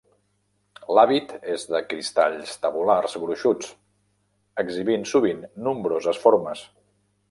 L'hàbit és de cristalls tabulars gruixuts, exhibint sovint nombroses formes.